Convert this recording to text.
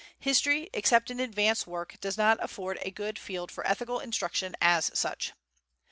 History, except in advance work, does not afford a good field for ethical instruction as such.